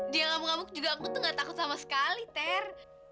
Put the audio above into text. dia ngamuk ngamuk juga aku tuh gak takut sama sekali ter